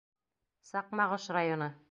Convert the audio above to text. Саҡмағош районы.